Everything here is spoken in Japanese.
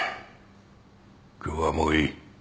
今日はもういい。